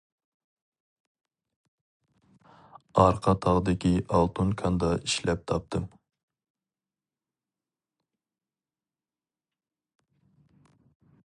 -ئارقا تاغدىكى ئالتۇن كاندا ئىشلەپ تاپتىم.